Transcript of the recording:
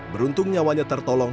beruntung nyawanya tertolong